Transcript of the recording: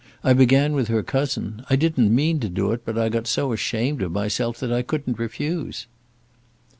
I began with her cousin. I didn't mean to do it, but I got so ashamed of myself that I couldn't refuse."